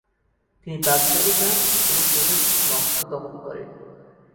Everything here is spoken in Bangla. তিনি বাগদাদে যান এবং সেখান থেকে মক্কা গমন করেন।